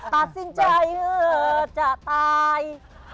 มันจะเยือจะตาย